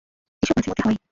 এসব মাঝেমধ্যে হয়ই!